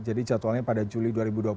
jadi jadwalnya pada juli dua ribu dua puluh dua